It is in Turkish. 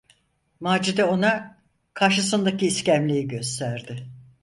Macide ona karşısındaki iskemleyi gösterdi: